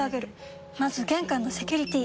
まず玄関のセキュリティ！